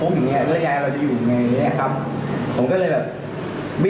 ภาดอะไรอย่างที่เขาเซไปทางซ้ายด้วย